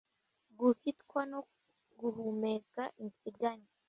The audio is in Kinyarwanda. guhitwa no guhumeka insigane